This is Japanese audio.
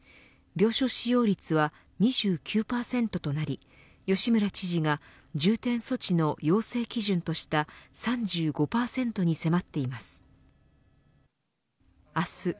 病床使用率は２９％となり吉村知事が重点措置の要請基準とした３５％に迫っています。